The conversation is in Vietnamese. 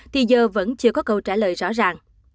thì giờ vẫn chưa có câu trả lời rõ ràng